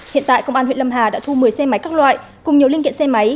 hiện tại công an huyện lâm hà đã thu một mươi xe máy các loại cùng nhiều linh kiện xe máy